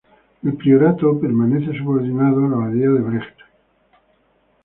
El priorato permanece subordinado a la abadía de Brecht.